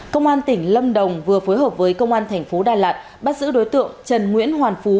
công an tỉnh lâm đồng vừa phối hợp với công an thành phố đà lạt bắt giữ đối tượng trần nguyễn hoàn phú